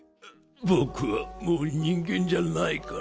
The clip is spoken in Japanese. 僕はもう人間じゃないから。